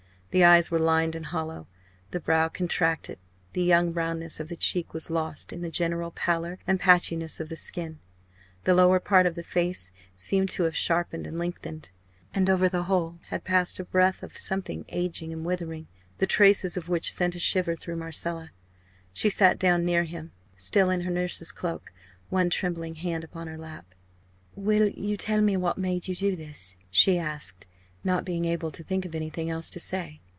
The eyes were lined and hollow the brow contracted; the young roundness of the cheek was lost in the general pallor and patchiness of the skin; the lower part of the face seemed to have sharpened and lengthened, and over the whole had passed a breath of something aging and withering the traces of which sent a shiver through Marcella. She sat down near him, still in her nurse's cloak, one trembling hand upon her lap. "Will you tell me what made you do this?" she asked, not being able to think of anything else to say.